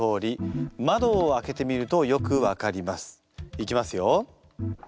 いきますよ。